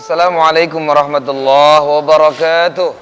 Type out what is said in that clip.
assalamualaikum warahmatullahi wabarakatuh